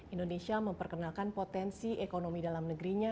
indonesia memperkenalkan potensi ekonomi dalam negerinya